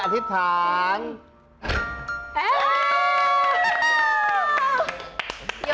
แฮปปีฟอดเดทโทโย